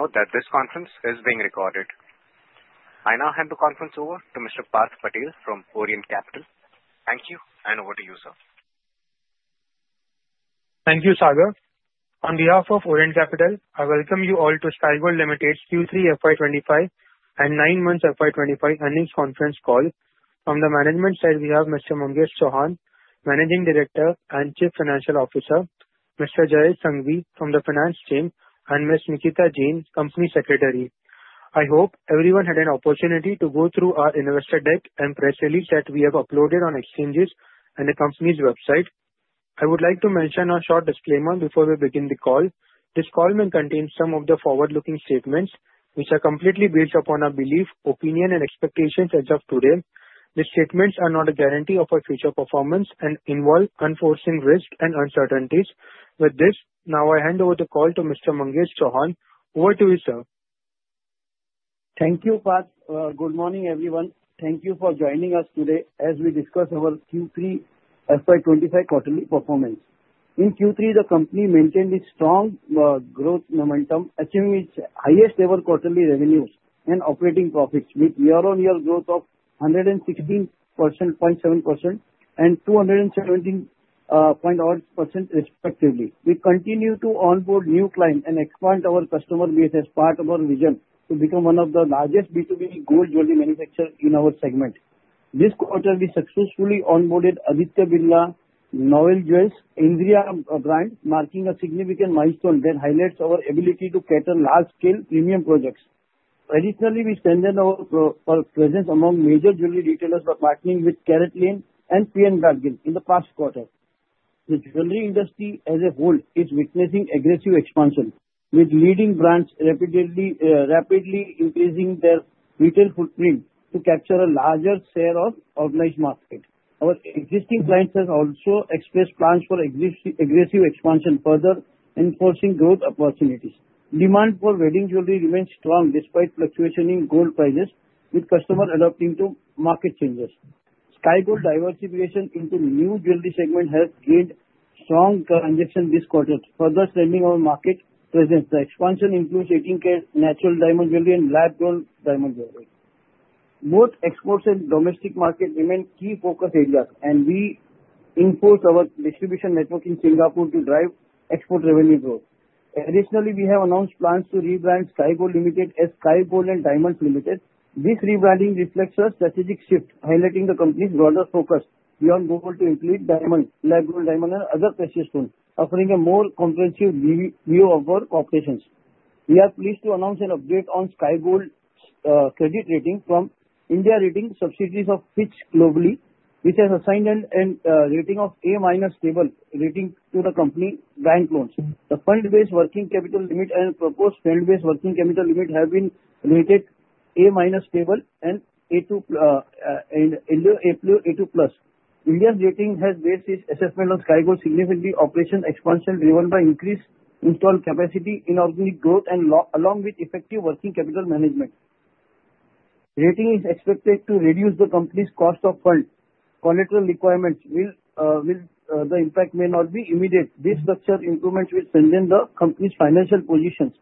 Note that this conference is being recorded. I now hand the conference over to Mr. Parth Patel from Orient Capital. Thank you, and over to you, sir. Thank you, Sagar. On behalf of Orient Capital, I welcome you all to Sky Gold Limited's Q3 FY25 and 9 months FY25 earnings conference call. From the management side, we have Mr. Mangesh Chauhan, Managing Director and Chief Financial Officer, Mr. Jay Sanghi from the finance team, and Ms. Nikita Jain, Company Secretary. I hope everyone had an opportunity to go through our investor deck and press release that we have uploaded on exchanges and the company's website. I would like to mention a short disclaimer before we begin the call. This call may contain some of the forward-looking statements, which are completely based upon our belief, opinion, and expectations as of today. These statements are not a guarantee of our future performance and involve unforeseen risks and uncertainties. With this, now I hand over the call to Mr. Mangesh Chauhan. Over to you, sir. Thank you, Parth. Good morning, everyone. Thank you for joining us today as we discuss our Q3 FY25 quarterly performance. In Q3, the company maintained its strong growth momentum, achieving its highest ever quarterly revenues and operating profits with year-on-year growth of 116.7% and 217 point odd %, respectively. We continue to onboard new clients and expand our customer base as part of our vision to become one of the largest B2B gold jewelry manufacturers in our segment. This quarter, we successfully onboarded Aditya Birla's Novel Jewels, In-Driya brand, marking a significant milestone that highlights our ability to cater large-scale premium projects. Additionally, we strengthened our presence among major jewelry retailers by partnering with CaratLane and P. N. Gadgil in the past quarter. The jewelry industry as a whole is witnessing aggressive expansion, with leading brands rapidly increasing their retail footprint to capture a larger share of organized market. Our existing clients have also expressed plans for aggressive expansion, further enforcing growth opportunities. Demand for wedding jewelry remains strong despite fluctuation in gold prices, with customers adapting to market changes. Sky Gold diversification into new jewelry segment has gained strong traction this quarter, further strengthening our market presence. The expansion includes 18 carats natural diamond jewelry and lab-grown diamond jewelry. Both exports and domestic market remain key focus areas. We enforce our distribution network in Singapore to drive export revenue growth. Additionally, we have announced plans to rebrand Sky Gold Limited as Sky Gold and Diamonds Limited. This rebranding reflects our strategic shift, highlighting the company's broader focus. We are moving to include diamonds, lab-grown diamonds, and other precious stones, offering a more comprehensive view of our operations. We are pleased to announce an update on Sky Gold's credit rating from India Ratings, subsidiaries of Fitch Group, which has assigned a rating of A- Stable to the company bank loans. The fund-based working capital limit and proposed fund-based working capital limit have been rated A- Stable and A2+. India Ratings has based its assessment on Sky Gold's significant operation expansion, driven by increased installed capacity, inorganic growth, and along with effective working capital management. Rating is expected to reduce the company's cost of funds. Collateral requirements will. The impact may not be immediate. This structural improvements will strengthen the company's financial positions,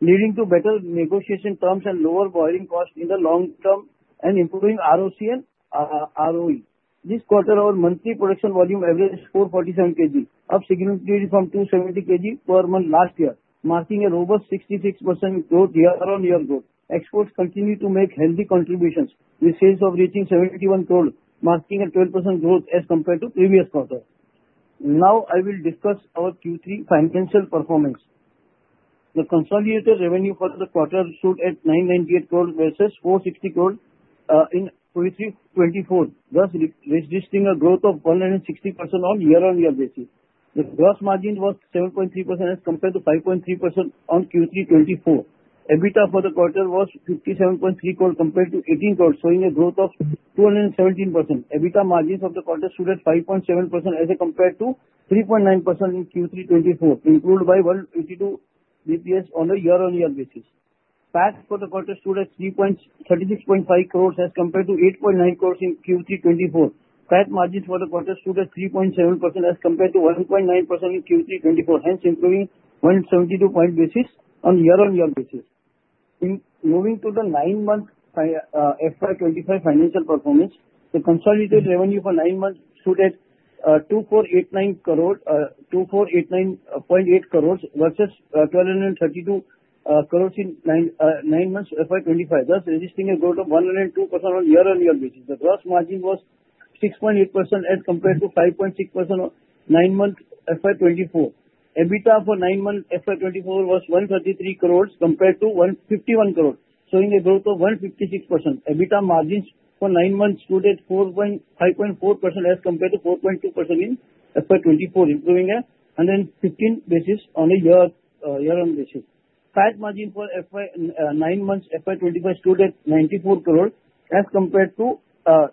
leading to better negotiation terms and lower borrowing costs in the long term and improving ROC and ROE. This quarter, our monthly production volume averaged 447 kg, up significantly from 270 kg per month last year, marking a robust 66% growth, year-on-year growth. Exports continue to make healthy contributions, with sales of reaching 71 crore, marking a 12% growth as compared to previous quarter. I will discuss our Q3 financial performance. The consolidated revenue for the quarter stood at 998 crore versus 460 crore in FY 2024, thus re-registering a growth of 160% on year-on-year basis. The gross margin was 7.3% as compared to 5.3% on Q3 2024. EBITDA for the quarter was 57.3 crore compared to 18 crore, showing a growth of 217%. EBITDA margins of the quarter stood at 5.7% as compared to 3.9% in Q3 2024, improved by 182 basis points on a year-on-year basis. PAT for the quarter stood at 36.5 crores as compared to 8.9 crores in Q3 2024. PAT margins for the quarter stood at 3.7% as compared to 1.9% in Q3 2024, hence improving 172 basis points on year-on-year basis. In moving to the nine-month FY 2025 financial performance, the consolidated revenue for nine months stood at 2,489.8 crore versus 1,232 crore in nine months FY 2025, thus registering a growth of 102% on year-on-year basis. The gross margin was 6.8% as compared to 5.6% on nine months FY 2024. EBITDA for nine months FY 2024 was 133 crore compared to 151 crore, showing a growth of 156%. EBITDA margins for nine months stood at 5.4% as compared to 4.2% in FY 2024, improving 115 basis on a year-on-year basis. PAT margin for FY nine months FY 2025 stood at 94 crore as compared to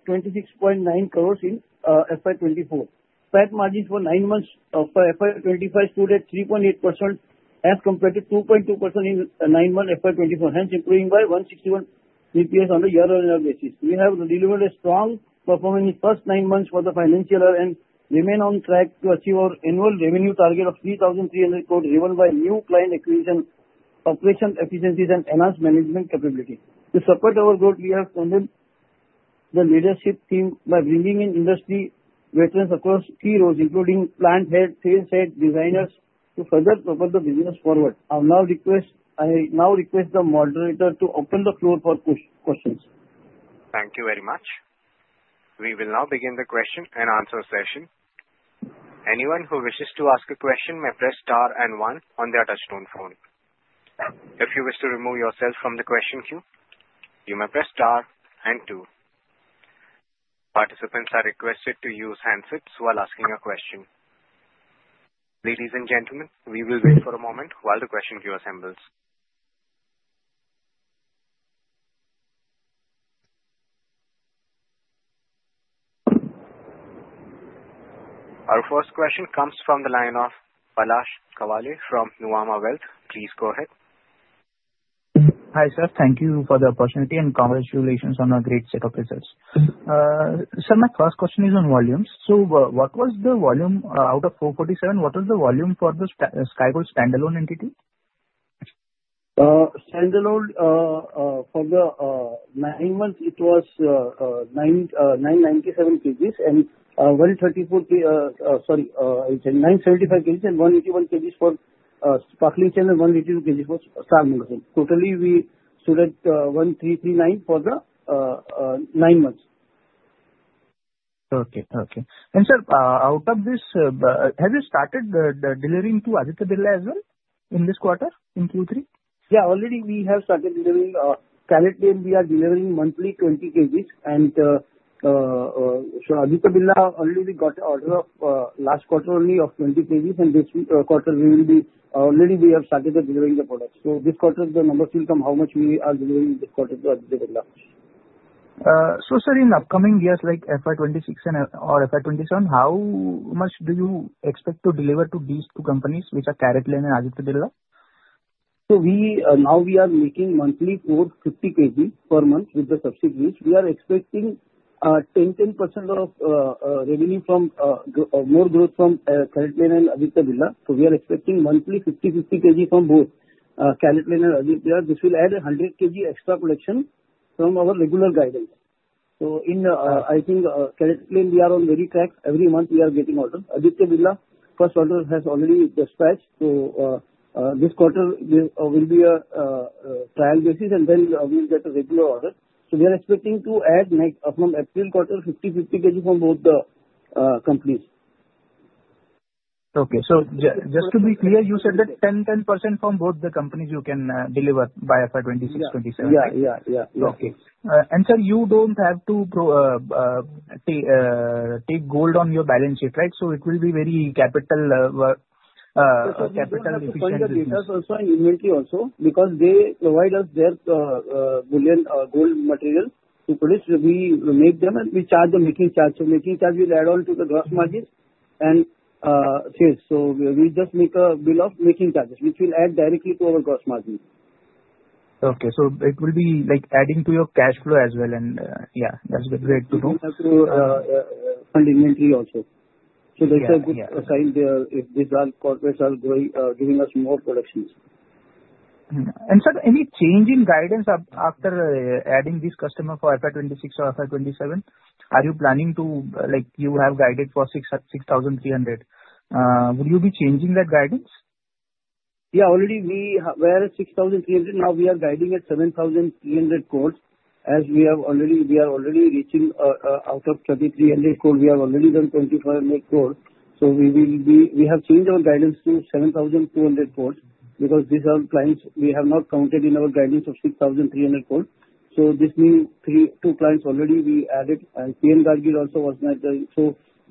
26.9 crore in FY 2024. PAT margin for nine months for FY 2025 stood at 3.8% as compared to 2.2% in nine-month FY 2024, hence improving by 161 bps on a year-on-year basis. We have delivered a strong performance in the first nine months for the financial year, and remain on track to achieve our annual revenue target of 3,300 crore, driven by new client acquisition, operation efficiencies, and enhanced management capability. To support our growth, we have strengthened the leadership team by bringing in industry veterans across key roles, including plant head, sales head, designers, to further propel the business forward. I now request the moderator to open the floor for questions. Thank you very much. We will now begin the question and answer session. Anyone who wishes to ask a question may press star and one on their touchtone phone. If you wish to remove yourself from the question queue, you may press star and two. Participants are requested to use handsets while asking a question. Ladies and gentlemen, we will wait for a moment while the question queue assembles. Our first question comes from the line of Akash Kaval from Nuvama Wealth. Please go ahead. Hi, sir. Thank you for the opportunity, and congratulations on a great set of results. My first question is on volumes. What was the volume out of 447, what was the volume for the Sky Gold standalone entity? the 9 months was 997 kgs and 134 kg. 975 kgs and 181 kgs for Sparkling Chains and 182 kgs for Sky Gold. Totally, we select 1,339 for the 9 months Okay, okay. Sir, out of this, have you started the delivering to Aditya Birla as well in this quarter, in Q3? Yeah, already we have started delivering. Currently we are delivering monthly 20 kgs. Aditya Birla already got an order of last quarter only of 20 kgs. This quarter, already we have started delivering the products. This quarter, the numbers will come how much we are delivering this quarter to Aditya Birla. sir, in upcoming years, like FY 2026 and or FY 2027, how much do you expect to deliver to these two companies, which are CaratLane and Aditya Birla? We now we are making monthly 450 kg per month with the subsidiary. We are expecting 10% of revenue from more growth from CaratLane and Aditya Birla. We are expecting monthly 50 kg from both CaratLane and Aditya. This will add 100 kg extra production from our regular guidance. I think CaratLane, we are on very track. Every month we are getting order. Aditya Birla, first order has already dispatched, so this quarter will be a trial basis, and then we'll get a regular order. We are expecting to add next, from next quarter, 50 kg from both the companies. Okay. just to be clear, you said that 10% from both the companies you can deliver by FY2026, FY2027? Yeah, yeah. Okay. Sir, you don't have to take gold on your balance sheet, right? It will be very capital efficient. Inventory also, because they provide us their billion gold material. For this, we make them and we charge the making charge. Making charge will add on to the gross margins and sales. We just make a bill of making charges, which will add directly to our gross margin. Okay. It will be like adding to your cash flow as well, and, yeah, that's great to know. Inventory also. Yeah, yeah. That's a good sign there, if these all corporates are growing, giving us more productions. sir, any change in guidance after adding this customer for FY 2026 or FY 2027? Are you planning to, like you have guided for 6,300. Will you be changing that guidance? Yeah, already we are at 6,300, now we are guiding at 7,300 crores. As we have already, we are already reaching out of 3,300 crore, we have already done 2,500 crore. We have changed our guidance to 7,200 crores, because these are clients we have not counted in our guidance of 6,300 crore. This new three, two clients already we added, and P. N. Gadgil also was not there.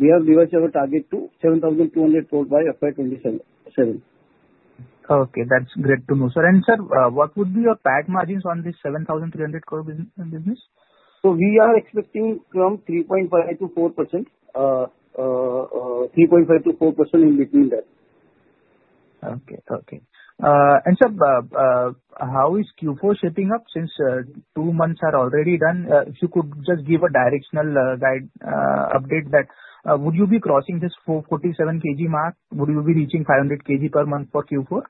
We have revised our target to 7,200 crore by FY 2027. Okay, that's great to know, sir. Sir, what would be your PAT margins on this 7,300 crore business? We are expecting from 3.5%-4% in between that. Okay, okay. Sir, how is Q4 shaping up, since 2 months are already done? If you could just give a directional guide update that, would you be crossing this 447 kg mark? Would you be reaching 500 kg per month for Q4?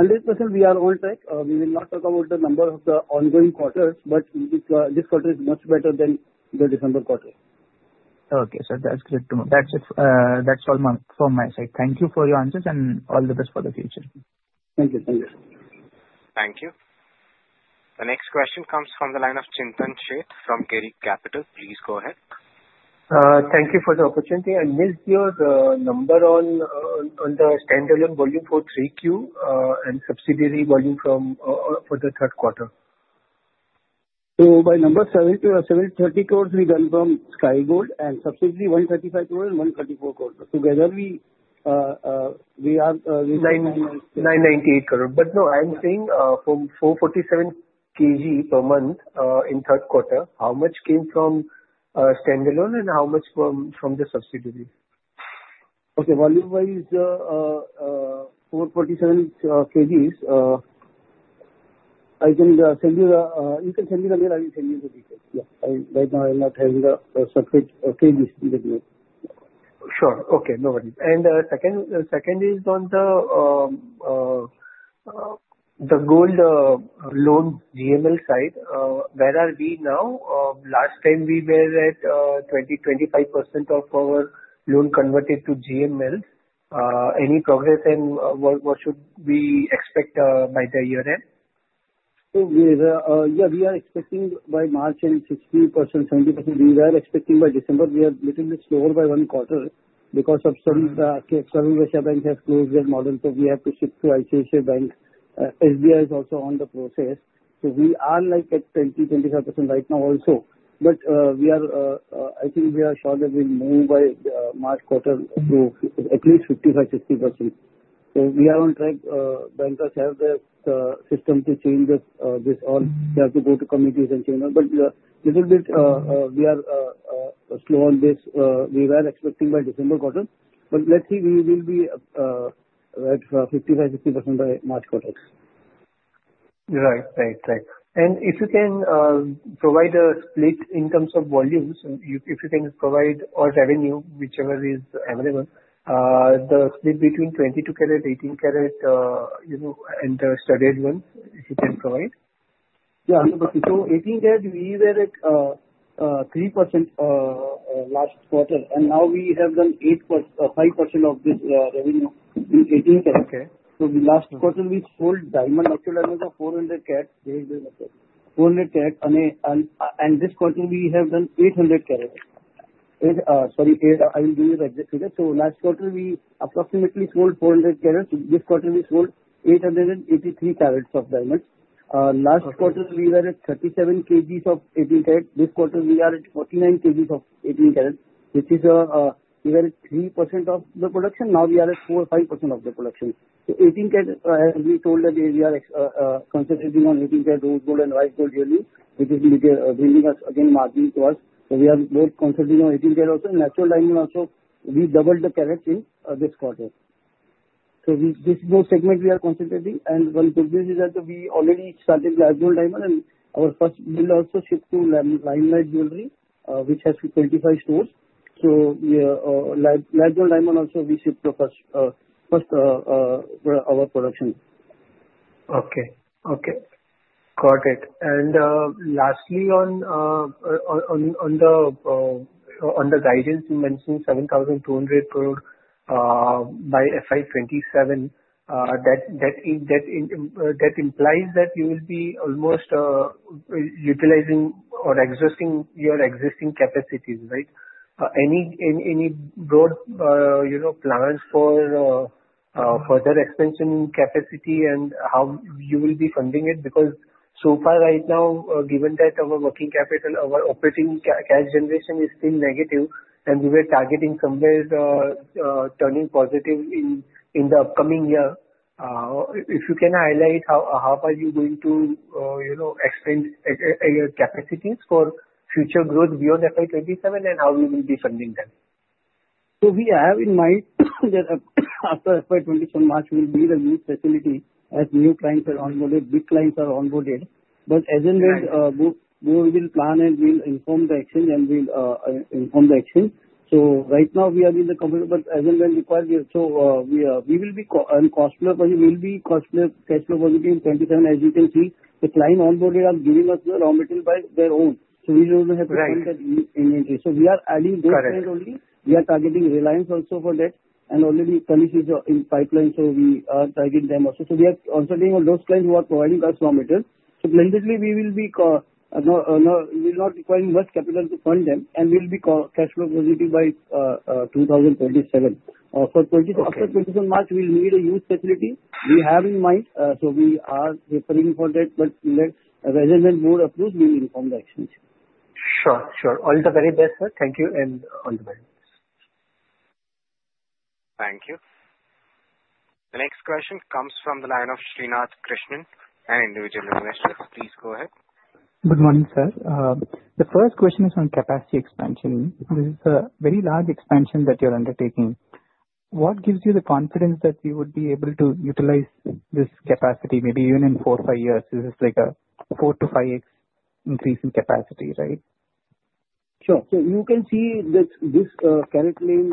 100% we are on track. We will not talk about the number of the ongoing quarters, but this quarter is much better than the December quarter. Okay, sir, that's great to know. That's it, that's all from my side. Thank you for your answers. All the best for the future. Thank you. Thank you. Thank you. The next question comes from the line of Chintan Sheth from Kedia Capital. Please go ahead. Thank you for the opportunity. I missed your number on the standalone volume for 3Q and subsidiary volume from for the third quarter. By number 70 or 70 crore we done from Sky Gold, and subsidiary 135 crore and 134 crore. Together we are. 998 crore. No, I'm saying, from 447 kg per month, in third quarter, how much came from standalone and how much from the subsidiary? Okay, volume-wise, 447 kgs. You can send me the mail, I will send you the details. Yeah, I right now I'm not having the substrate kgs with me. Sure. Okay, no worry. Second is on the gold loan GML side. Where are we now? Last time we were at 20-25% of our loan converted to GML. Any progress and what should we expect by the year end? We're, yeah, we are expecting by March end, 60%-70%. We were expecting by December, we have gotten it slower by 1 quarter because of some banks have closed their model, so we have to shift to ICICI Bank. SBI is also on the process. We are like at 20%-25% right now also. We are, I think we are sure that we'll move by March quarter to at least 55%-60%. We are on track. Banks have their system to change this all. Mm-hmm. They have to go to committees and change, but little bit, we are slow on this. We were expecting by December Quarter, but let's see, we will be at 55%-60% by March Quarters. Right. Right, right. If you can, provide a split in terms of volumes, if you can provide, or revenue, whichever is available, you know, the split between 22 karat, 18 karat, you know, and the studded ones, if you can provide? Yeah. 18 karat, we were at 3% last quarter, and now we have done 5% of this revenue in 18 karat. Okay. The last quarter, we sold diamond, natural diamonds of 400 carats. 400 carat, and this quarter we have done 800 carats. Eight, sorry, eight. I will give you the exact figure. Last quarter, we approximately sold 400 carats. This quarter we sold 883 carats of diamonds. Last quarter- Okay. we were at 37 kgs of 18 karat. This quarter we are at 49 kgs of 18 karat, which is, we were at 3% of the production, now we are at 4%, 5% of the production. 18 karat, we told that we are concentrating on 18 karat rose gold and white gold yearly, which is bringing us again, margin to us. We are more concentrating on 18 karat also. Natural diamond also, we doubled the carats in this quarter. These two segments we are concentrating and one good news is that we already started lab-grown diamond and our first we'll also shift to Limelight Jewelry, which has 25 stores. We, lab-grown diamond also, we shift the first our production. Okay. Okay, got it. Lastly on the guidance, you mentioned 7,200 crore by FY 2027, that implies that you will be almost utilizing or exhausting your existing capacities, right? Any growth, you know, plans for further expansion capacity and how you will be funding it? So far right now, given that our working capital, our operating cash generation is still negative, and we were targeting somewhere turning positive in the upcoming year. If you can highlight how are you going to, you know, expand your capacities for future growth beyond FY 2027, and how you will be funding that? We have in mind that after FY 2027 March, we'll build a new facility as new clients are onboarded, big clients are onboarded. As and when, we will plan and we'll inform the exchange, and we'll inform the exchange. Right now, we are in the comfortable, but as and when required, we are so, we will be cash flow positive in 2027, as you can see. The client onboarded are giving us the raw material by their own, so we don't have. Right. to fund that inventory. We are adding those clients only. Correct. We are targeting Reliance also for that. Already Tanishq is in pipeline, so we are targeting them also. We are concentrating on those clients who are providing raw material. Basically, we're not requiring much capital to fund them, and we'll be cash flow positive by 2027. Okay. After 27 March, we'll need a new facility. We have in mind, so we are referring for that, but let as and when board approves, we will inform the exchange. Sure, sure. All the very best, sir. Thank you and all the best. Thank you. The next question comes from the line of Srinath Krishnan, an individual investor. Please go ahead. Good morning, sir. The first question is on capacity expansion. This is a very large expansion that you're undertaking. What gives you the confidence that you would be able to utilize this capacity maybe even in four, five years? This is like a 4-5x increase in capacity, right? Sure. You can see that this currently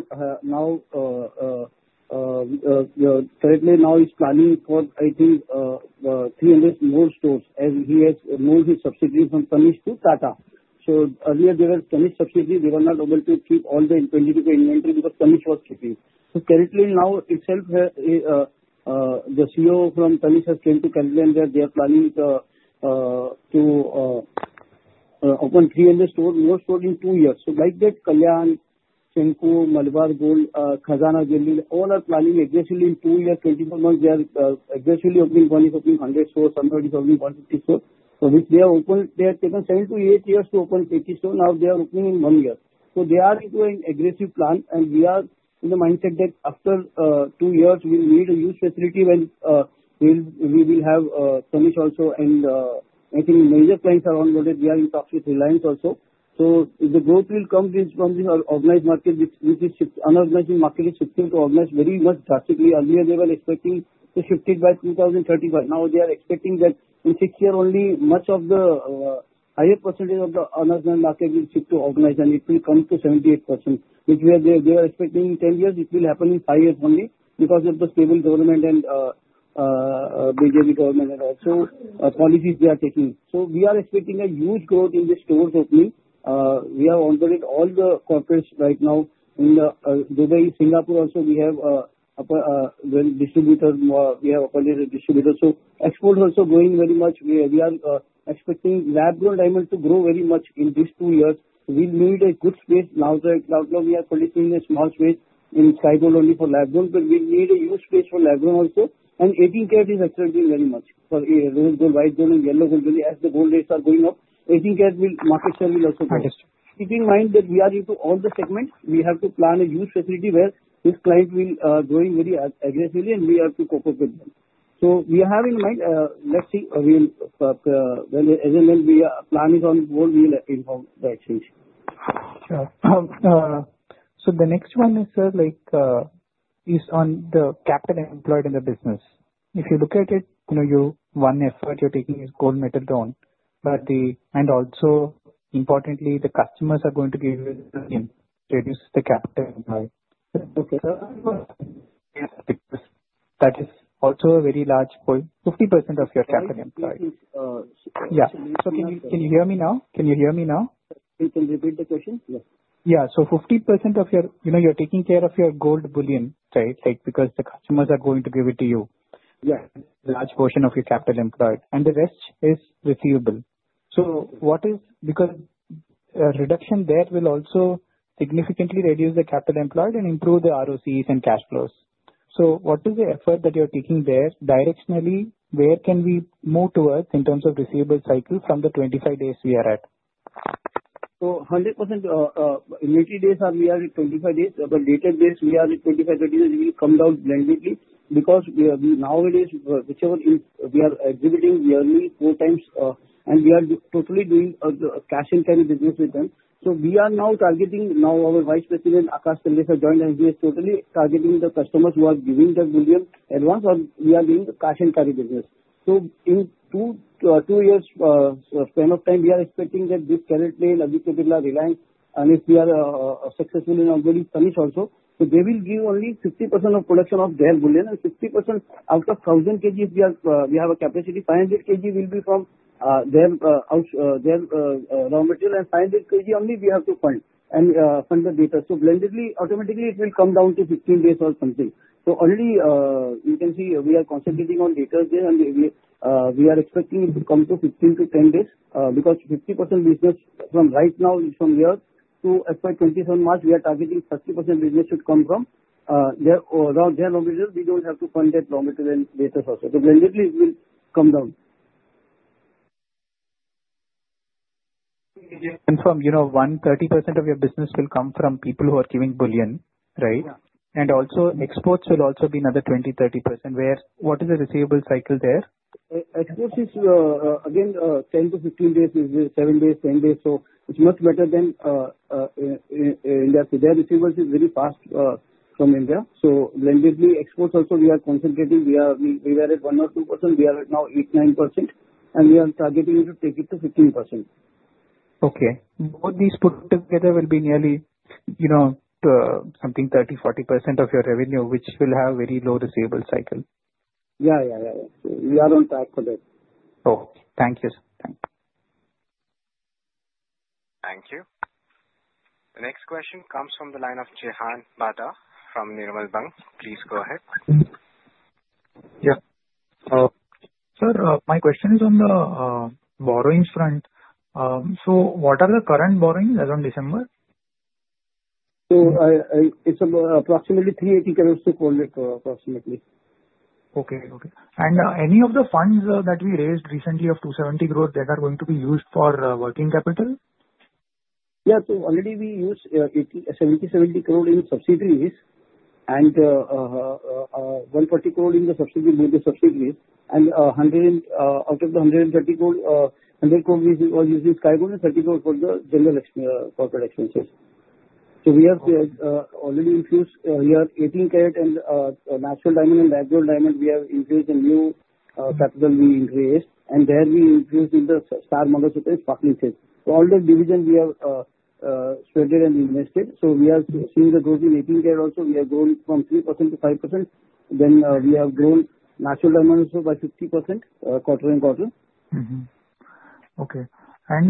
now is planning for, I think, 300 more stores as he has moved his subsidiary from Tanishq to Tata. Earlier, they were Tanishq subsidiary, they were not able to keep all the inventory because Tanishq was hitting. Currently now itself, the CEO from Tanishq has came to complain that they are planning to open 300 stores, more stores in 2 years. Like that, Kalyan Jewellers, Senco Gold, Malabar Gold & Diamonds, and Khazana Jewellery, all are planning aggressively in 2 years, 24 months. They are aggressively opening 100 stores, somebody is opening 150 stores. Which they have opened, they have taken 7-8 years to open 50 stores, now they are opening in 1 year. They are into an aggressive plan, and we are in the mindset that after 2 years, we will need a new facility when we will have Tanishq also and I think major clients are onboarded. We are in talks with Reliance also. The growth will come is from the organized market, which is unorganized market is shifting to organized very much drastically. Earlier, they were expecting to shift it by 2030, but now they are expecting that in 6th year only, much of the higher percentage of the unorganized market will shift to organized, and it will come to 78%, which we are expecting in 10 years, it will happen in 5 years only because of the stable government and BJP government and also policies they are taking. We are expecting a huge growth in the stores opening. We have opened all the corporates right now in Dubai. Singapore also, we have appointed a distributor. Export also growing very much. We are expecting lab grown diamonds to grow very much in these two years. We need a good space. We are putting in a small space in Sky Gold only for lab grown, but we need a huge space for lab grown also. 18 carat is accelerating very much for rose gold, white gold, and yellow gold. As the gold rates are going up, 18 carat will, market share will also grow. Understood. Keep in mind that we are into all the segments. We have to plan a huge facility where this client will, growing very aggressively and we have to cope up with them. We have in mind, let's see, we'll, well, as and when we are planning on more, we'll inform the exchange. Sure. The next one is, sir, like, is on the capital employed in the business. If you look at it, one effort you're taking is Gold Metal Loan, and also, importantly, the customers are going to give you, reduce the capital employed. Okay, sir. Yes, that is also a very large point, 50% of your capital employed. Uh- Yeah. Can you hear me now? Can you hear me now? You can repeat the question? Yes. Yeah. 50% of your You know, you're taking care of your gold bullion, right? Like, because the customers are going to give it to you. Yeah. Large portion of your capital employed, and the rest is receivable. What is because reduction there will also significantly reduce the capital employed and improve the ROCEs and cash flows. What is the effort that you're taking there directionally? Where can we move towards in terms of receivable cycle from the 25 days we are at? 100%, 30 days or we are at 25 days, but later days we are at 25-30 days, we will come down blendedly, because nowadays, whichever is we are exhibiting yearly 4 times, and we are totally doing the cash and carry business with them. We are now targeting, now our Vice President, Akshay Tanna, has joined us, and he is totally targeting the customers who are giving the bullion advance or we are doing the cash and carry business. In 2 years span of time, we are expecting that this CaratLane, Abharan Jewellers, Reliance, and if we are successful in onboarding Tanishq also. They will give only 50% of production of their bullion, and 50% out of 1,000 kgs, we have a capacity, 500 kg will be from their raw material, and 500 kg only we have to fund and fund the data. Blendedly, automatically it will come down to 15 days or something. Already, you can see we are concentrating on data there, and we are expecting it to come to 15 to 10 days because 50% business from right now, from here, to approximately 27 March, we are targeting 30% business should come from their raw material. We don't have to fund that raw material and data also, blendedly it will come down. From, you know, 30% of your business will come from people who are giving bullion, right? Yeah. Also exports will also be another 20%-30%, where what is the receivable cycle there? Exports is again 10 to 15 days, is 7 days, 10 days. It's much better than India. Their receivables is very fast from India. Blendedly exports also we are concentrating. We are at 1 or 2%, we are at now 8, 9%, and we are targeting to take it to 15%. Okay. All these put together will be nearly, you know, something 30%-40% of your revenue, which will have very low receivable cycle. Yeah, yeah. We are on track for that. Okay. Thank you, sir. Thank you. Thank you. The next question comes from the line of Jahan Bhate from Nirmal Bang. Please go ahead. Yeah. Sir, my question is on the borrowings front. What are the current borrowings as on December? It's approximately 380 crores to INR 4 lakh, approximately. Okay, okay. Any of the funds that we raised recently of 270 crore, they are going to be used for working capital? Yeah. already we used 70 crore in subsidiaries, and 140 crore in the subsidiaries, maybe subsidiaries, and out of the INR 130 crore, INR 100 crore we used in Sky Gold and 30 crore for the general corporate expenses. we have already infused, we are 18 carat and natural diamond and lab grown diamond, we have increased the new capital, and there we increased in the star models with its partnership. all the divisions we have spreaded and invested. we have seen the growth in 18 carat also, we have grown from 3%-5%. we have grown natural diamond also by 50%, quarter and quarter. Okay.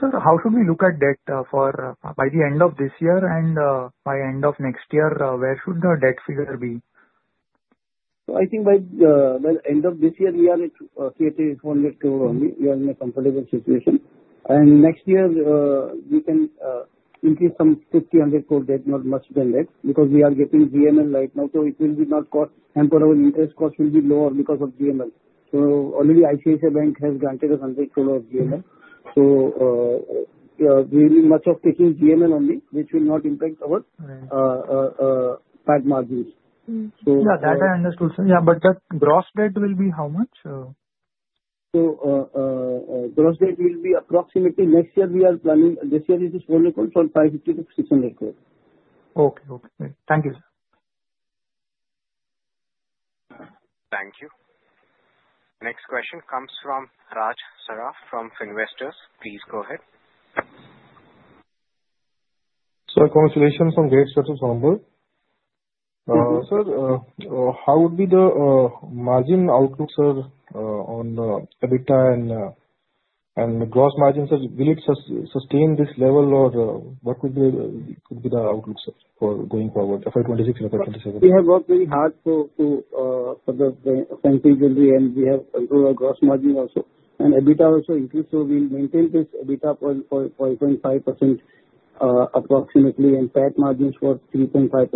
Sir, how should we look at debt, for, by the end of this year and, by end of next year, where should the debt figure be? I think by end of this year, we are at 380-400 crore only. We are in a comfortable situation. Next year, we can increase some 50-100 crore debt, not much than that, because we are getting GML right now, so it will be not cost and for our interest cost will be lower because of GML. Already ICICI Bank has granted us INR 100 crore of GML. We will be much of taking GML only, which will not impact our- Right. fat margins. Yeah, that I understood, sir. Yeah, the gross debt will be how much? Gross debt will be approximately, next year we are planning. This year it is INR 400 crore, from INR 550 crore-INR 600 crore. Okay, okay. Thank you, sir. Thank you. Next question comes from Raj Sarraf, from Finvestor. Please go ahead. Sir, congratulations on great success number. Sir, how would be the margin outlook, sir, on EBITDA and the gross margins, sir? Will it sustain this level or what would be the outlook, sir, for going forward, FY 26 and FY 27? We have worked very hard for the continuously, we have improved our gross margin also. EBITDA also increased, we maintain this EBITDA for 8.5% approximately, VAT margins were 3.5%.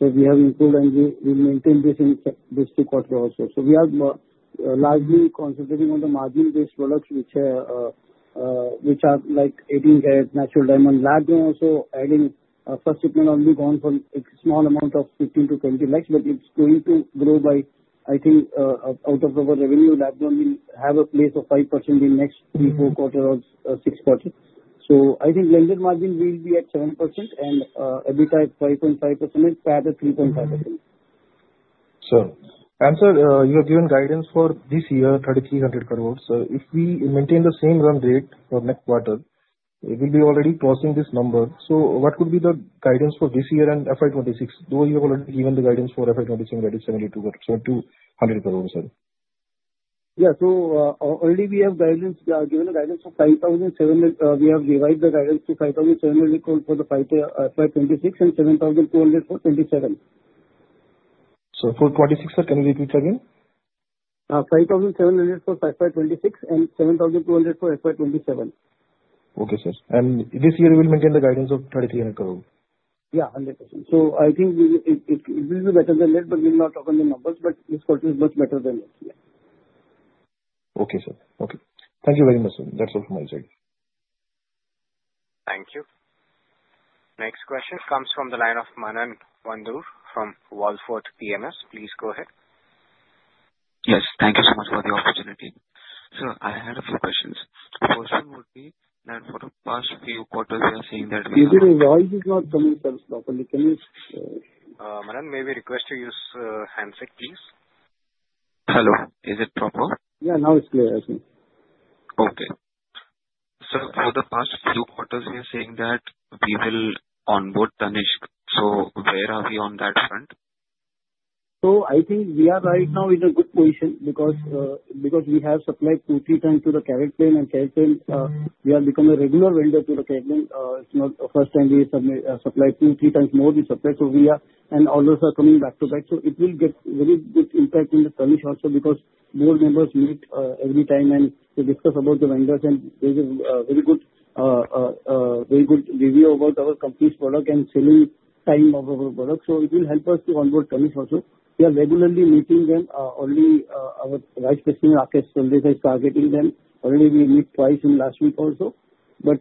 We have improved and we maintain this in this quarter also. We are largely concentrating on the margin-based products, which are like adding a natural diamond lab, also adding, first, it may only gone from a small amount of 15 lakh-20 lakh, it's going to grow by, I think, out of our revenue lab only have a place of 5% in next three, four quarter or six quarters. I think lender margin will be at 7% and EBITDA at 5.5% and added 3.5%. Sir, and sir, you have given guidance for this year, 3,300 crores. If we maintain the same run rate for next quarter, we'll be already crossing this number. What could be the guidance for this year and FY 2026, though you've already given the guidance for FY 2026, that is 72.4-100 crores, sir? Already we have guidance, given a guidance of 5,700, we have revised the guidance to 5,700 crore for the FY 2026 and 7,200 for 2027. For 26, sir, can you repeat again? Uh, five thousand seven hundred for FY twenty-six and seven thousand two hundred for FY twenty-seven. Okay, sir. This year we will maintain the guidance of 3,300 crore? Yeah, 100%. I think we will, it will be better than that, but we'll not open the numbers, but this quarter is much better than last year. Okay, sir. Okay. Thank you very much, sir. That's all from my side. Thank you. Next question comes from the line of Manan Mundra from Wallfort PMS. Please go ahead. Yes, thank you so much for the opportunity. Sir, I had a few questions. First one would be that for the past few quarters, we are seeing that- Excuse me, your voice is not coming sir, properly. Can you. Manan, may we request you use, handset, please? Hello, is it proper? Yeah, now it's clear, sir. Okay. Sir, for the past few quarters, we are saying that we will onboard Tanishq. Where are we on that front? I think we are right now in a good position because we have supplied 2, 3 times to the CaratLane and CaratLane, we have become a regular vendor to the CaratLane. It's not the first time we submit, supplied 2, 3 times more we supply to Via. Orders are coming back-to-back. It will get very good impact in the Tanishq also because more members meet, every time and they discuss about the vendors, and there is a, very good, very good review about our company's product and selling time of our product. It will help us to onboard Tanishq also. We are regularly meeting them, only, our Vice President, Rakesh Sundar, is targeting them. Already we meet twice in last week also, but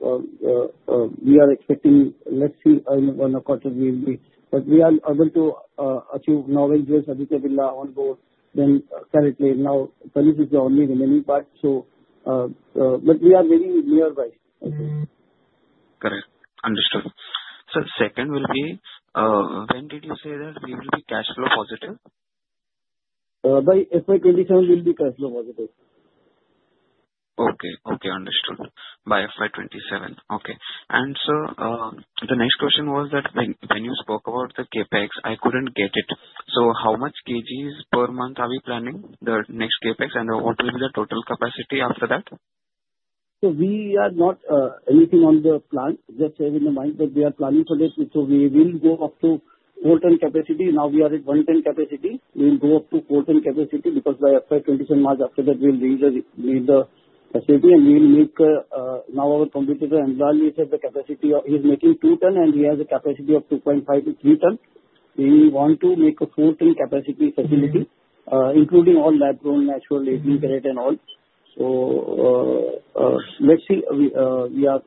we are expecting, let's see, one quarter we will be. We are able to achieve Novel Jewels, Aditya Birla on board, then currently now Tanishq is the only remaining part, so, but we are very nearby. Correct. Understood. Sir, second will be, when did you say that we will be cash flow positive? by FY 2027, we'll be cash flow positive. Okay, okay, understood. By FY 2027. Okay. Sir, the next question was that, like, when you spoke about the CapEx, I couldn't get it. How much kgs per month are we planning the next CapEx, and what will be the total capacity after that? We are not anything on the plant, just have in mind that we are planning for this, we will go up to 4 ton capacity. We are at 1 ton capacity. We'll go up to 4 ton capacity because by FY 2027 months after that, we'll reach the capacity, and we will make now our competitor, Emerald, he has the capacity of. He's making 2 ton, and he has a capacity of 2.5-3 ton. We want to make a 4 ton capacity facility. Mm-hmm.... including all lab grown natural, diamond carat, and all. let's see, we are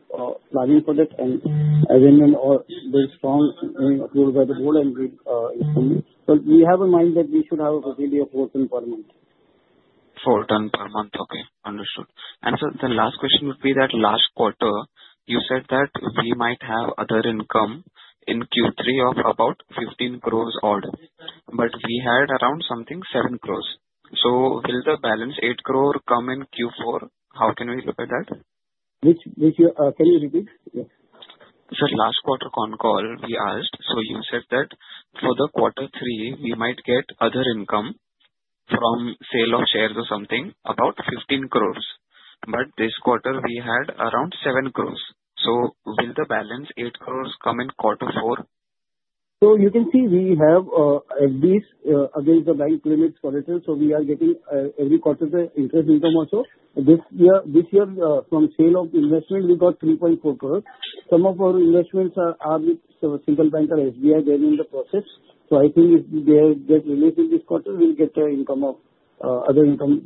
planning for that. Mm-hmm. All very strong, approved by the board and is coming. Mm-hmm. We have in mind that we should have a capacity of 4 tons per month. 4 tons per month. Okay, understood. Sir, the last question would be that last quarter, you said that we might have other income in Q3 of about 15 crores order, but we had around something 7 crores. Will the balance 8 crore come in Q4? How can we look at that? Which, can you repeat? Yeah. Sir, last quarter concall we asked. You said that for the quarter three, we might get other income from sale of shares or something, about 15 crores. This quarter we had around 7 crores. Will the balance 8 crores come in quarter four? You can see we have at least against the bank limits for it, we are getting every quarter the interest income also. This year, from sale of investment, we got 3.4 crore. Some of our investments are with some single bank or SBI, they're in the process. I think if they get released in this quarter, we'll get the income of other income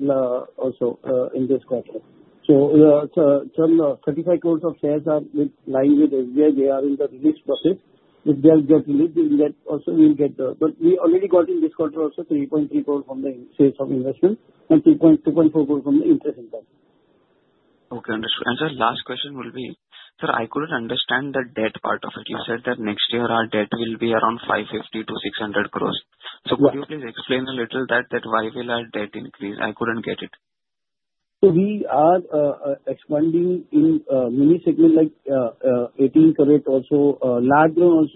also in this quarter. Some 35 crore of shares are with, lying with SBI, they are in the release process. If they'll get released, we'll get. Also we'll get, but we already got in this quarter also 3.3 crore from the sales from investment and 2.4 crore from the interest income. Okay, understood. Sir, last question will be: Sir, I couldn't understand the debt part of it. You said that next year our debt will be around 550 crores-600 crores. Could you please explain a little why will our debt increase? I couldn't get it. We are expanding in many segments like 18 carat also, lab grown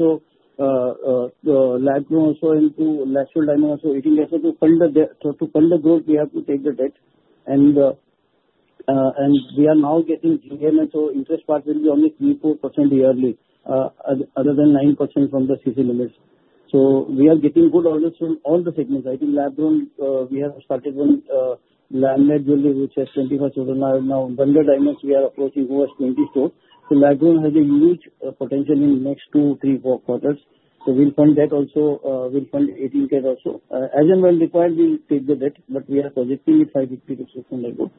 also into natural diamond, also 18 carat. To fund the growth, we have to take the debt. We are now getting GML, so interest part will be only 3-4% yearly, other than 9% from the CC limits. We are getting good orders from all the segments. I think lab grown, we have started on laminate jewelry, which has 24 stores now. Bundled diamonds, we are approaching towards 20 stores. Lab grown has a huge potential in next 2, 3, 4 quarters. We'll fund that also, we'll fund 18 carat also. As and when required, we'll take the debt, but we are projecting it 550 crore-600 crore.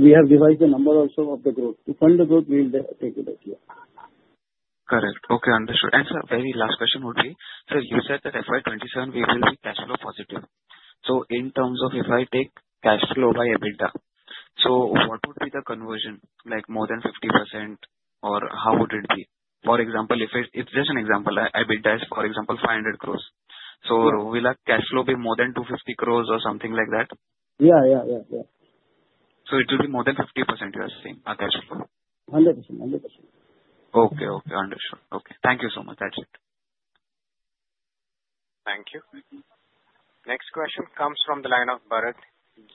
We have revised the number also of the growth. To fund the growth, we'll take the debt, yeah. Correct. Okay, understood. Sir, very last question only. Sir, you said that FY 2027, we will be cash flow positive. In terms of if I take cash flow by EBITDA, so what would be the conversion? Like, more than 50%, or how would it be? For example, it's just an example. EBITDA is, for example, 500 crores. Yes. Will our cash flow be more than 250 crores or something like that? Yeah, yeah, yeah. It will be more than 50%, you are saying, our cash flow? 100%, 100%. Okay, okay, understood. Okay, thank you so much. That's it. Thank you. Next question comes from the line of Bharat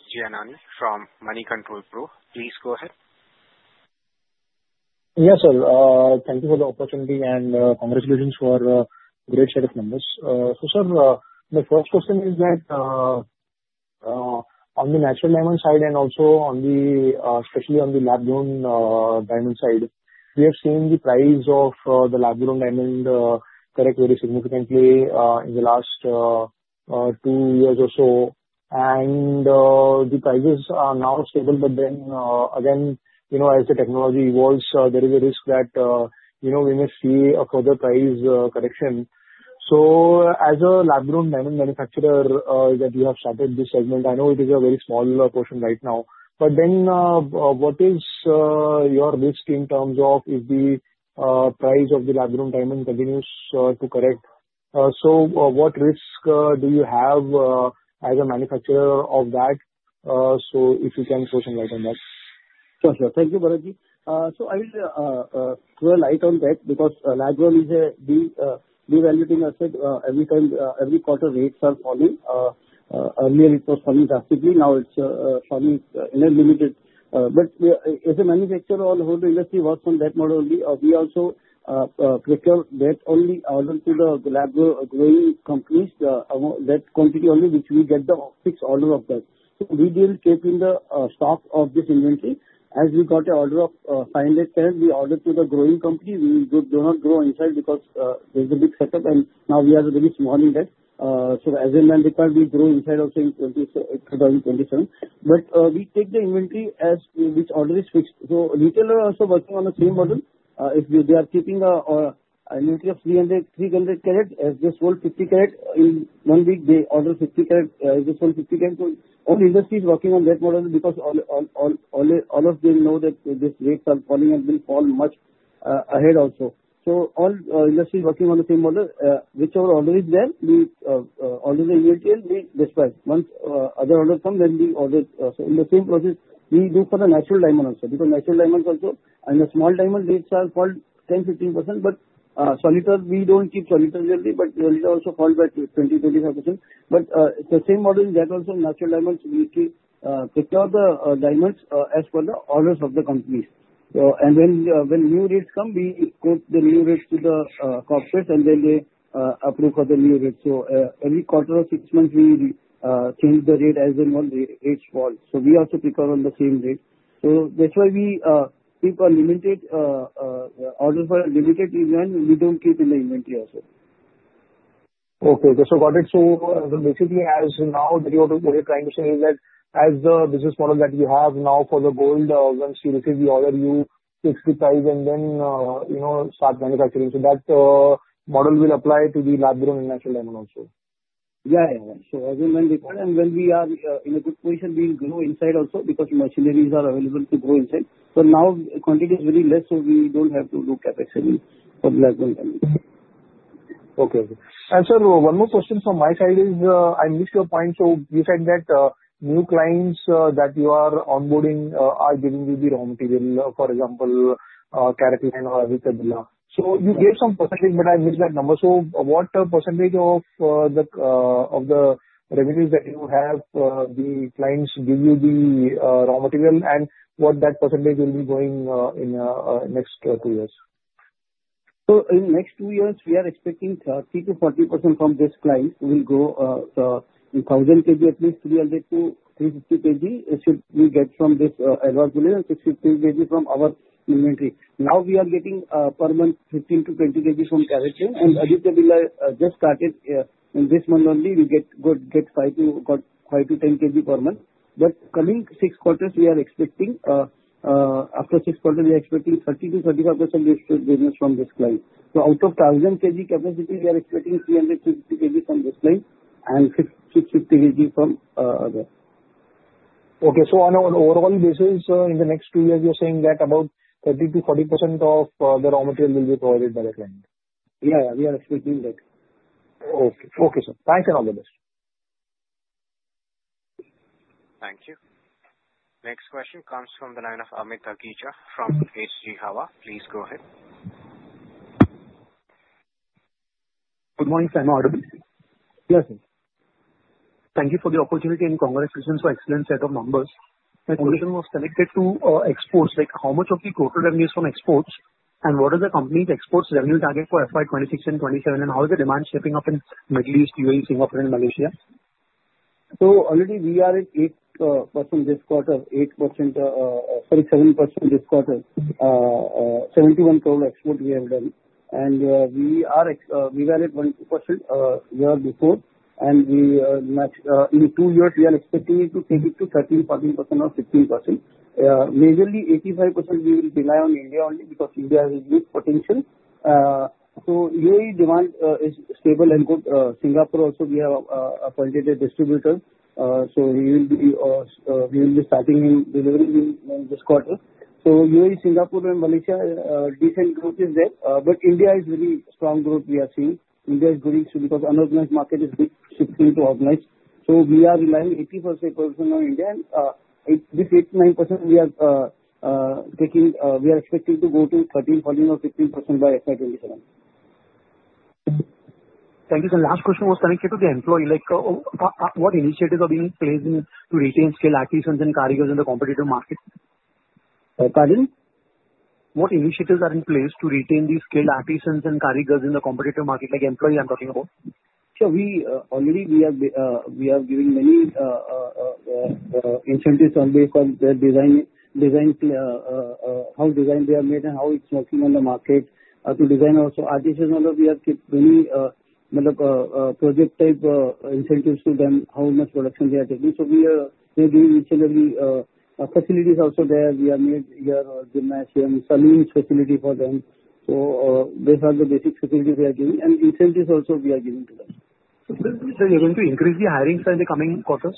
Gianani from Moneycontrol Pro. Please go ahead. Yes, sir. Thank you for the opportunity and congratulations for a great set of numbers. Sir, my first question is that on the natural diamond side and also on the especially on the lab grown diamond side, we have seen the price of the lab grown diamond correct very significantly in the last 2 years or so. The prices are now stable, again, you know, as the technology evolves, there is a risk that, you know, we may see a further price correction. As a lab-grown diamond manufacturer that you have started this segment, I know it is a very small portion right now. What is your risk in terms of if the price of the lab-grown diamond continues to correct? What risk do you have as a manufacturer of that? If you can throw some light on that. Sure, sir. Thank you, Bharatji. I will throw a light on that, because lab grown is a devaluing asset. Every time, every quarter, rates are falling. Earlier it was falling drastically, now it's falling in a limited... We, as a manufacturer, all over the industry works on that model only. We also procure that only also to the lab grown growing companies, about that company only, which we get the fixed order of that. We didn't keep in the stock of this inventory. We got an order of 500 carat, we order to the growing company. We do not grow inside because there's a big setup and now we are a very small in debt. As a manufacturer, we grow inside of say, 20, 27. We take the inventory as which order is fixed. Retailer are also working on the same model. If they are keeping a inventory of 300 carat, as they sold 50 carat in one week, they order 50 carat, they sell 50 carat. All industry is working on that model because all of them know that this rates are falling and will fall much ahead also. All industry is working on the same model. Whichever order is there, we order the material, we dispatch. Once other order come, then we order. In the same process, we do for the natural diamond also, because natural diamonds also, and the small diamond rates are fall 10%, 15%. Solitaire, we don't keep solitaire jewelry, but solitaire also fall back to 20%, 25%. The same model, that also natural diamonds we keep, procure the diamonds as per the orders of the company. When new rates come, we quote the new rates to the corporate, and then they approve for the new rates. Every quarter or 6 months, we change the rate as and when the rates fall. We also pick up on the same rate. That's why we keep a limited order for a limited demand, we don't keep in the inventory also. Okay, just so got it. Basically, as now what you are trying to say is that, as the business model that you have now for the gold, once you receive the order, you fix the price and then, you know, start manufacturing. That model will apply to the lab grown and natural diamond also? Yeah. As and when required, and when we are in a good position, we will grow inside also, because machineries are available to grow inside. Now quantity is very less, so we don't have to do capacity for lab grown diamond. Okay. Sir, one more question from my side is, I missed your point. You said that new clients that you are onboarding are giving you the raw material, for example, CaratLane or Aditya Birla. You gave some %, but I missed that number. What % of the revenues that you have, the clients give you the raw material and what that % will be going in next two years? In next 2 years, we are expecting 30%-40% from this client will grow, in 1,000 kg. At least 300-350 kg should we get from this advance billion, 650 kg from our inventory. Now, we are getting per month 15-20 kg from CaratLane, and Aditya Birla just started. In this month only, we got 5-10 kg per month. Coming 6 quarters, we are expecting, after 6 quarters, we are expecting 30%-35% business from this client. Out of 1,000 kg capacity, we are expecting 350 kg from this client and 650 kg from other. Okay, on an overall basis, in the next two years, you're saying that about 30%-40% of the raw material will be provided by the client? Yeah, yeah, we are expecting like. Okay. Okay, sir. Thanks and all the best. Thank you. Next question comes from the line of Amit Akeesha, from H.G. Vora. Please go ahead. Good morning, Samo RBC. Yes, sir. Thank you for the opportunity, and congratulations for excellent set of numbers. My question was connected to exports, like, how much of the total revenues from exports, and what is the company's export revenue target for FY 2026 and 2027, and how is the demand shaping up in Middle East, UAE, Singapore, and Malaysia? Already we are at 8% this quarter, 8%, sorry, 7% this quarter. 71 total export we have done, and we are at 0.2% year before, and we next in 2 years, we are expecting it to take it to 13%, 14% or 15%. Majorly, 85% we will rely on India only, because India has a good potential. UAE demand is stable and good. Singapore also, we have appointed a distributor, so we will be starting in delivering in this quarter. UAE, Singapore, and Malaysia, decent growth is there, but India is very strong growth we are seeing. India is going to, because unorganized market is big, shifting to organized. We are relying 80% on India, and this 8-9% we are taking, we are expecting to go to 13%, 14% or 15% by FY 2027. Thank you, sir. Last question was connected to the employee, like, what initiatives are being placed in to retain skilled artisans and karigars in the competitive market? pardon? What initiatives are in place to retain these skilled artisans and karigars in the competitive market, like employee, I'm talking about? We already we are giving many incentives on because their designs how design they are made and how it's working on the market. To design also, artisans also we have kept many method project type incentives to them, how much production they are taking. We are giving initially facilities also there. We have made here gymnasium, swimming facility for them. These are the basic facilities we are giving, and incentives also we are giving to them. You're going to increase the hirings in the coming quarters?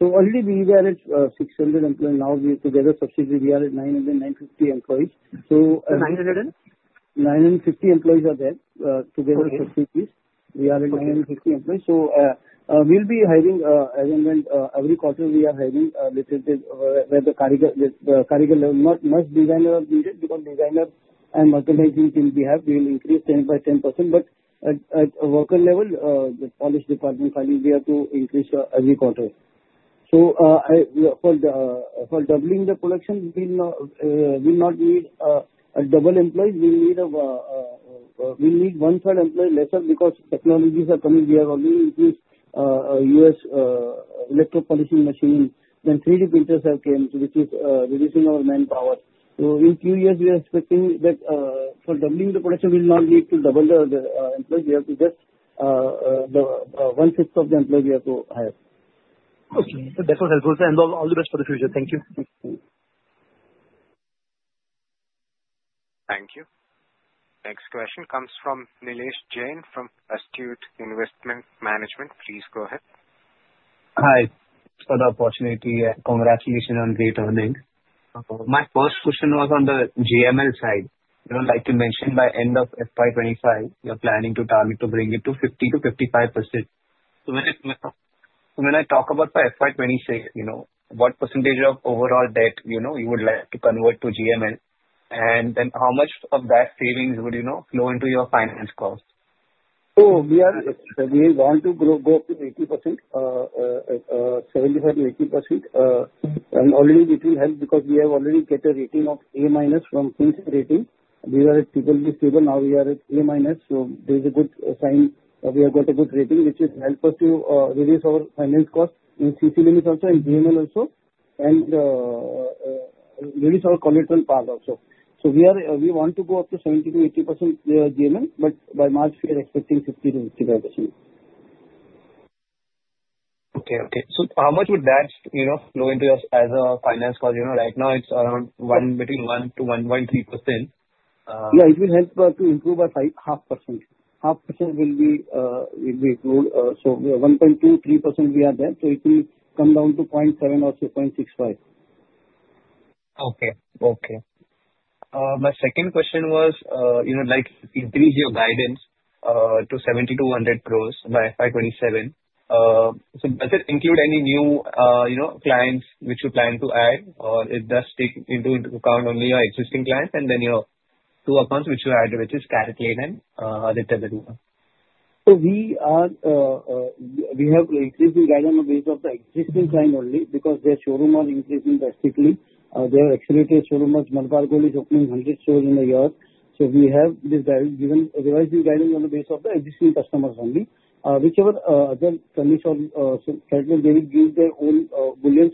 already we were at 600 employees, now we together, subsequently, we are at 900 and 950 employees. 900 and? 950 employees are there, together, subsequently. Okay. We are at 950 employees. We'll be hiring as and when every quarter we are hiring little bit where the karigar, the karigar level. Not much designer are needed, because designer and merchandising team we have, we will increase 10 by 10%, but at worker level, the polish department finally we have to increase every quarter. I for the for doubling the production, we'll not need a double employees. We'll need we need one-third employee lesser because technologies are coming. We have already increased US electropolishing machines, then 3D printers have came, which is reducing our manpower. In 2 years, we are expecting that for doubling the production, we will not need to double the employees. We have to just, the, one sixth of the employee we have to hire. Okay, that was helpful. All the best for the future. Thank you. Thank you. Thank you. Next question comes from Nilesh Jain, from Astute Investment Management. Please go ahead. Hi, for the opportunity and congratulations on great earnings. My first question was on the GML side. You know, like you mentioned, by end of FY 2025, you're planning to target to bring it to 50%-55%. When I talk about the FY 2026, you know, what percentage of overall debt, you know, you would like to convert to GML? How much of that savings would, you know, flow into your finance costs? We want to grow, go up to 80%, 75%-80%. Already it will help because we have already get a rating of A- from Fitch Ratings. We were at triple B stable, now we are at A-, there's a good sign that we have got a good rating, which is help us to reduce our finance costs in CC limits also and GML also, and reduce our collateral power also. We want to go up to 70%-80% GML, but by March we are expecting 50%-55%. Okay, okay. How much would that, you know, flow into your as a finance cost? You know, right now it's around 1, between 1%-1.3%. Yeah, it will help us to improve by 5.5%. 0.5% will be improved, so we are 1.23% we are there, so it will come down to 0.7% or to 0.65%. Okay, okay. My second question was, you know, like increase your guidance to 70-100 crore by FY27. Does it include any new, you know, clients which you plan to add, or it does take into account only your existing clients, and then your 2 accounts which you added, which is CaratLane and Aditya the 2 one? We are, we have increased the guidance on the base of the existing client only because their showroom are increasing drastically. Their accelerated showroom as Malabar Gold is opening 100 stores in a year. We have given revising guidance on the base of the existing customers only. Whichever, other bullish on, certain they will give their own bullion.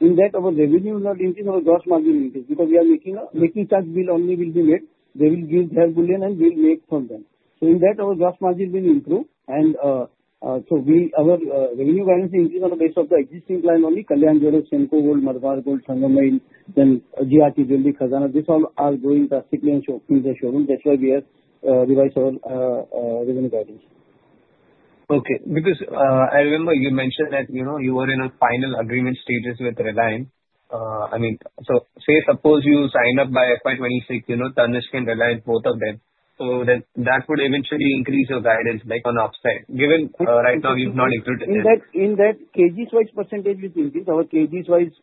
In that, our revenue will not increase, our gross margin increase, because we are making charge bill only will be made. They will give their bullion and we'll make from them. In that our gross margin will improve and our revenue guidance increase on the base of the existing client only, Kalyan Jewellers, Senco Gold, Malabar Gold, Sangam Jewellers, GIA, Delhi Khazana. These all are growing drastically and opening their showroom. That's why we have revised our revenue guidance. Okay, because, I remember you mentioned that, you know, you were in a final agreement stages with Reliance. I mean, say suppose you sign up by FY 2026, you know, Tanishq and Reliance, both of them, that would eventually increase your guidance, like on the upside, given, right now you've not included that. In that, KGs wise % will increase. Our KGs wise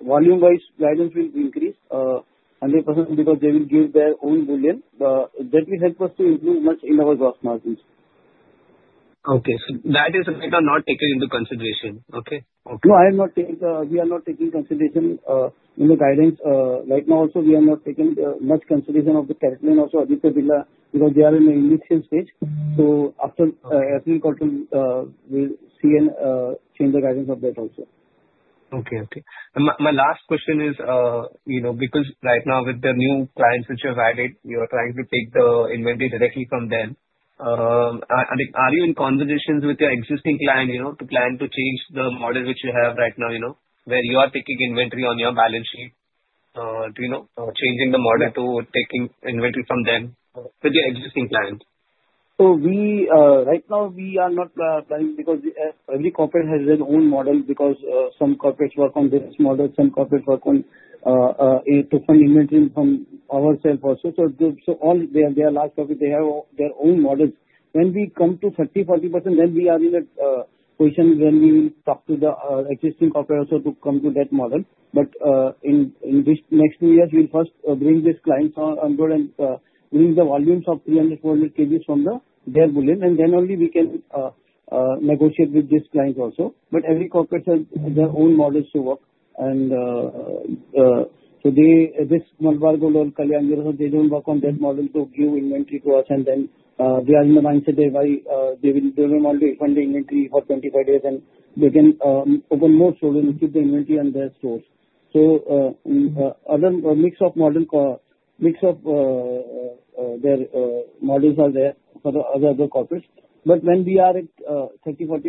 volume-wise guidance will increase 100% because they will give their own bullion. That will help us to improve much in our gross margins. Okay, That is right now not taken into consideration, okay? No, I have not taken, we are not taking consideration in the guidance. Right now also, we have not taken much consideration of the CaratLane, also Aditya Birla, because they are in the initial stage. Mm-hmm. After April quarter, we'll see and change the guidance of that also. Okay, okay. My last question is, you know, because right now with the new clients which you've added, you are trying to take the inventory directly from them. Are you in conversations with your existing client, you know, to plan to change the model which you have right now, you know, where you are taking inventory on your balance sheet, to, you know, changing the model to taking inventory from them, with your existing clients? We right now we are not planning, because every corporate has their own model, because some corporates work on this model, some corporates work on to fund inventory from ourselves also. They are large corporate, they have their own models. When we come to 30-40%, then we are in a position when we will talk to the existing corporate also to come to that model. In this next two years, we'll first bring these clients on board and bring the volumes of 300-400 KGs from their bullion, and then only we can negotiate with these clients also. Every corporate has their own models to work. This Malabar Gold & Diamonds and Kalyan Jewellers, they don't work on that model to give inventory to us they are in the mindset they buy they will only fund the inventory for 25 days, and they can open more stores and keep the inventory on their stores. Other mix of models are there for the other corporates. When we are at 30%, 40%,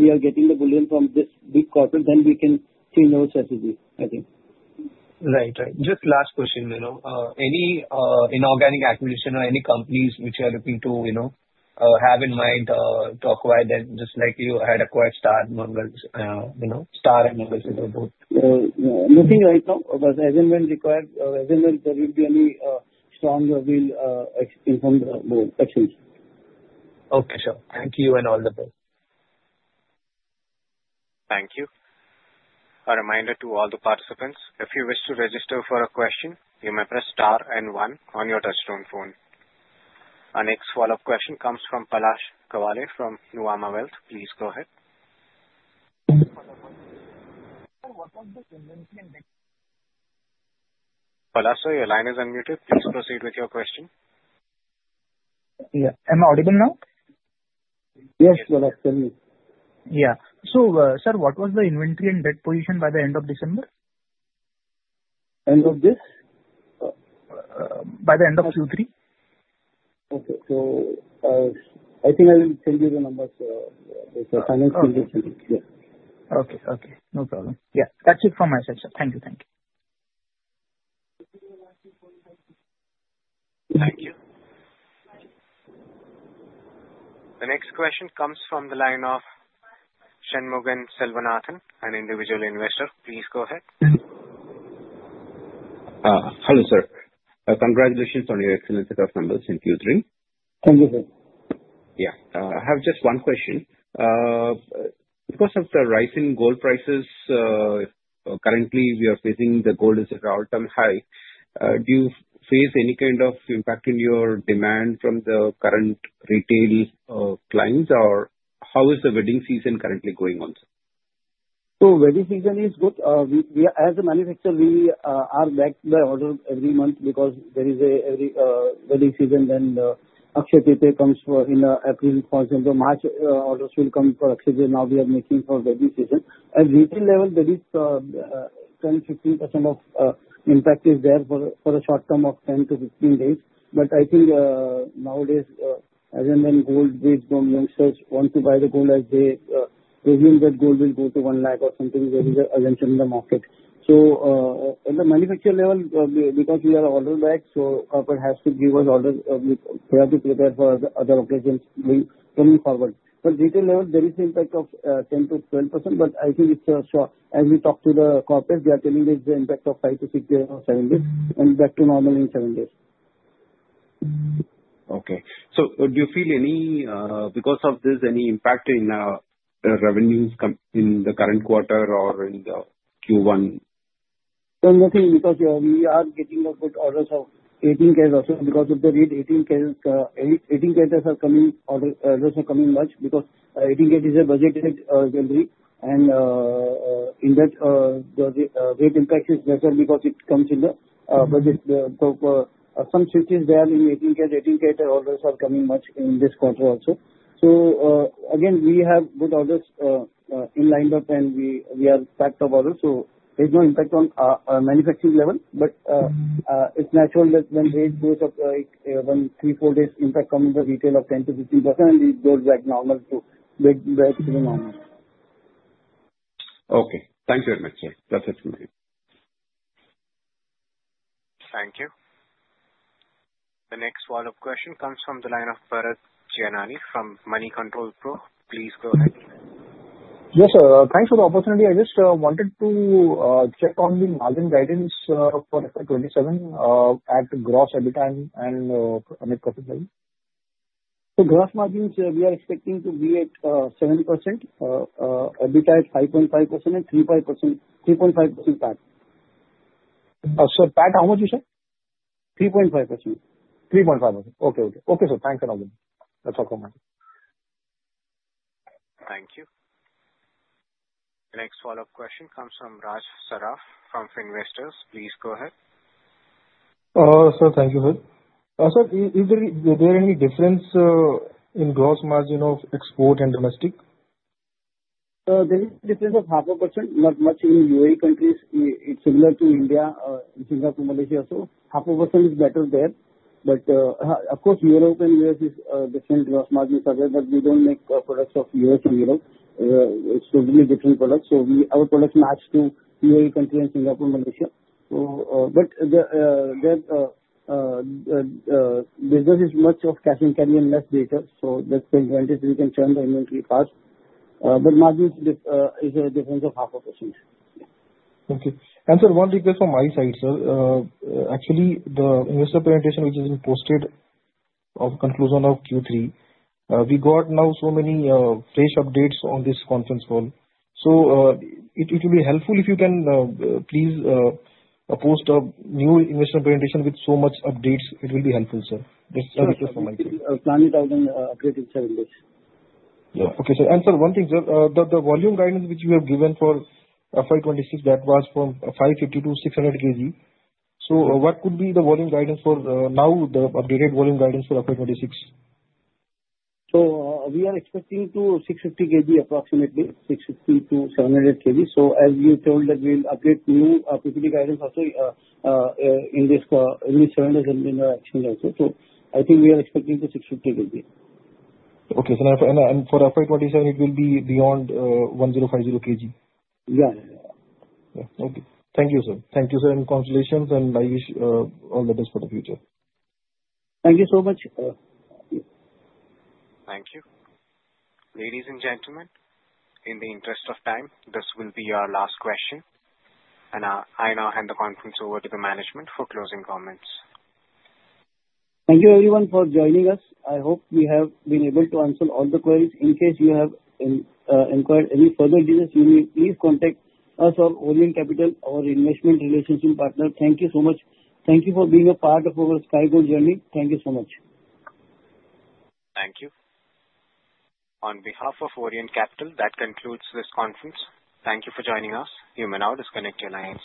we are getting the bullion from this big corporate, then we can see no strategy, I think. Right. Right. Just last question, you know. Any inorganic acquisition or any companies which you are looking to have in mind, talk about that, just like you had acquired Star Mangalsutra Pvt Ltd? Nothing right now, but as and when required, as and when there will be any stronger will in from the board. Actually. Okay, sure. Thank you and all the best. Thank you. A reminder to all the participants, if you wish to register for a question, you may press star and one on your touchtone phone. Our next follow-up question comes from Palash Kavale from Nuvama Wealth. Please go ahead. Sir, what was the inventory and debt- Palash, your line is unmuted. Please proceed with your question. Yeah. Am I audible now? Yes, Palash, tell me. Yeah. sir, what was the inventory and debt position by the end of December? End of this? By the end of Q3. Okay. I think I will send you the numbers with the finance team. Okay. Okay. No problem. Yeah, that's it from my side, sir. Thank you. Thank you. Thank you. The next question comes from the line of Shanmugan Selvanathan, an individual investor. Please go ahead. Hello, sir. Congratulations on your excellent set of numbers in Q3. Thank you, sir. Yeah. I have just one question. Because of the rise in gold prices, currently we are facing the gold is at all-time high. Do you face any kind of impact in your demand from the current retail clients, or how is the wedding season currently going on, sir? Wedding season is good. We as a manufacturer, we are backed by orders every month because there is a wedding season, Akshaya Tritiya comes for April, March, orders will come for Akshaya. Now we are making for wedding season. At retail level, there is 10-15% of impact is there for a short term of 10-15 days. I think nowadays, as and when gold rates go, youngsters want to buy the gold as they assume that gold will go to 1 lakh or something, there is a assumption in the market. In the manufacturer level, because we are ordered back, corporate has to give us orders, we have to prepare for other occasions will coming forward. Retail level, there is the impact of 10%-12%, I think it's short. As we talk to the corporates, they are telling us the impact of 5-6 days or 7 days. Mm-hmm. Back to normal in seven days. Mm-hmm. Okay. Do you feel any, because of this, any impact in the revenues in the current quarter or in the Q1? Nothing, because we are getting good orders of 18 K also, because of the rate 18 K, 18 K are coming, orders are coming much, because 18 K is a budgeted jewelry. In that, the rate impact is better because it comes in the budget. Some shifts is there in 18 K. 18 K orders are coming much in this quarter also. Again, we have good orders in lined up, and we are packed of orders, so there's no impact on our manufacturing level. Mm-hmm. It's natural that when rate goes up, when 3, 4 days, impact come in the retail of 10%-15%, and it goes back normal to the normal. Okay, thank you very much, sir. That's it from me. Thank you. The next follow-up question comes from the line of Bharat Gianani from Moneycontrol Pro. Please go ahead. Yes, thanks for the opportunity. I just wanted to check on the margin guidance for FY27, at gross EBITDA and net profit margin. Gross margins, we are expecting to be at 7%. EBITDA is 5.5% and 3.5% PAT. sir, PAT, how much you said? 3.5%. 3.5%. Okay, okay. Okay, sir, thank you again. That's all for me. Thank you. The next follow-up question comes from Raj Sarraf from Finvestors. Please go ahead. Sir, thank you, sir. Sir, is there any difference in gross margin of export and domestic? nce of half a percent, not much in UAE countries. It's similar to India, in Singapore, Malaysia, so half a percent is better there. But of course, Europe and U.S. is different, gross margins are there, but we don't make products of U.S. and Europe. It's totally different products, so our products match to UAE country and Singapore, Malaysia. But the business is much of cash and carry and less data, so that's the advantage. We can turn the inventory fast, but margins is a difference of half a percent. Okay. Sir, one request from my side, sir. Actually, the investor presentation, which has been posted of conclusion of Q3, we got now so many fresh updates on this conference call. It will be helpful if you can please post a new investor presentation with so much updates. It will be helpful, sir. That's a request from my side. Planning to have been updated in seven days. Yeah. Okay, sir. sir, one thing, sir, the volume guidance which you have given for FY 2026, that was from 550-600 KG. what could be the volume guidance for, now, the updated volume guidance for FY 2026? We are expecting to 650 KG, approximately. 650-700 KG. As we told that, we'll update new PPT guidance also in this call, in this 7 days in our action item. I think we are expecting the 650 KG. Okay, sir. For FY 2027, it will be beyond 1,050 KG? Yeah. Yeah. Okay. Thank you, sir. Thank you, sir, and congratulations, and I wish all the best for the future. Thank you so much, thank you. Thank you. Ladies and gentlemen, in the interest of time, this will be our last question. I now hand the conference over to the management for closing comments. Thank you everyone for joining us. I hope we have been able to answer all the queries. In case you have inquired any further business, you may please contact us or Orient Capital, our investment relationship partner. Thank you so much. Thank you for being a part of our Sky Gold journey. Thank you so much. Thank you. On behalf of Orient Capital, that concludes this conference. Thank you for joining us. You may now disconnect your lines.